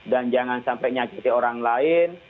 dan jangan sampai nyakiti orang lain